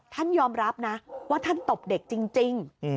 ท่านยอมรับนะว่าท่านตบเด็กจริง